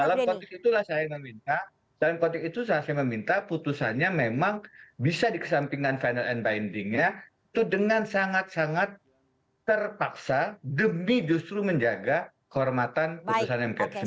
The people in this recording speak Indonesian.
dalam konteks itulah saya meminta dalam konteks itu saya meminta putusannya memang bisa dikesampingkan final and bindingnya itu dengan sangat sangat terpaksa demi justru menjaga kehormatan putusan mk